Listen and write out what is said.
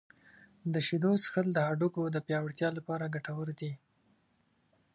• د شیدو څښل د هډوکو د پیاوړتیا لپاره ګټور دي.